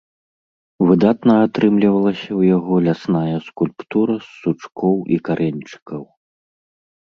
Выдатна атрымлівалася ў яго лясная скульптура з сучкоў і карэньчыкаў.